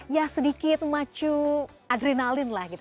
ya sedikit macu adrenalin lah gitu